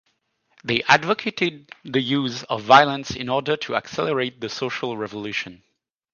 They advocated the use of violence in order to accelerate the social revolution.